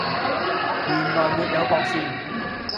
原來沒有駁線